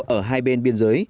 ở hai bên biên giới